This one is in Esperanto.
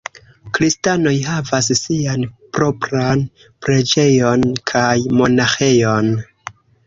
Kristanoj havas sian propran preĝejon kaj monaĥejon.